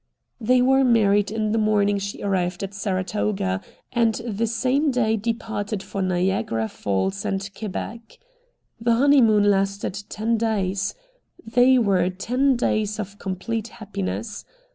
They were married the morning she arrived at Saratoga; and the same day departed for Niagara Falls and Quebec. The honeymoon lasted ten days. They were ten days of complete happiness.